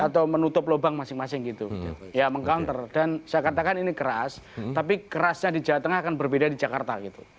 atau menutup lubang masing masing gitu ya meng counter dan saya katakan ini keras tapi kerasnya di jawa tengah akan berbeda di jakarta gitu